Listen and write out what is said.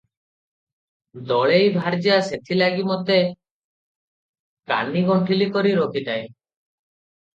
ଦଳେଇ ଭାର୍ଯ୍ୟା ସେଥିଲାଗି ମୋତେ କାନିଗଣ୍ଠିଲି କରି ରଖିଥାଏ ।